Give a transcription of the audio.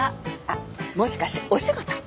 あっもしかしてお仕事？